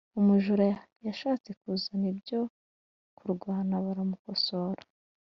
Umujura yashatse kuzana ibyo kurwana baramukosora